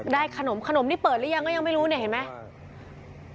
ขนมขนมนี่เปิดหรือยังก็ยังไม่รู้เนี่ยเห็นไหม